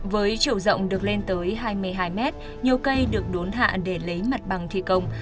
với chiều rộng được lên tới hai mươi hai mét nhiều cây được đốn hạ để lấy mặt bằng thi công